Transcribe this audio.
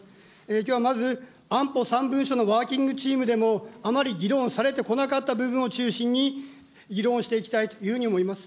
きょうはまず、安保三文書のワーキングチームでも、あまり議論されてこなかった部分を中心に、議論していきたいというふうに思います。